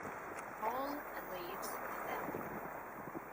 Paul leaves them.